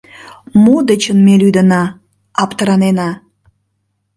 Мо дечын ме лӱдына, аптыранена?